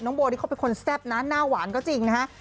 โบนี่เขาเป็นคนแซ่บนะหน้าหวานก็จริงนะฮะ